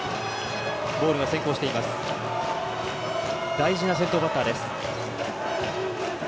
大事な先頭バッターです。